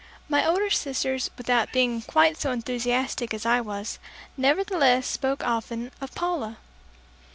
My older sisters without being quite so enthusiastic as I was, nevertheless spoke often of Paula.